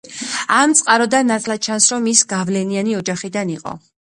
ამ წყაროდან ნათლად ჩანს, რომ ის გავლენიანი ოჯახიდან იყო.